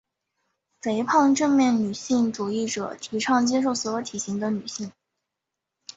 肥胖正面女性主义者提倡接受所有体型的女性。